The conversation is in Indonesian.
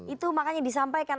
itu makanya disampaikan